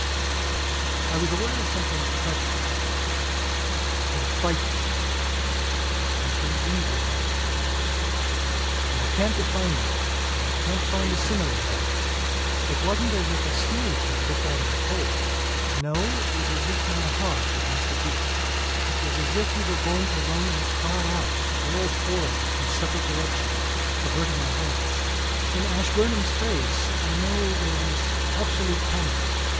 I was aware of something treacherous, something frightful, something evil in the day. I can't define it and can't find a simile for it. It wasn't as if a snake had looked out of a hole. No, it was as if my heart had missed a beat. It was as if we were going to run and cry out; all four of us in separate directions, averting our heads. In Ashburnham's face I know that there was absolute panic.